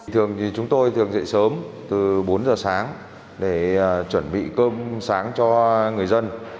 thường thì chúng tôi thường dậy sớm từ bốn giờ sáng để chuẩn bị cơm sáng cho người dân